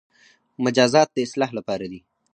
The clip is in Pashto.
مجازات د اصلاح لپاره دي